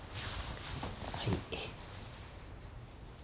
はい。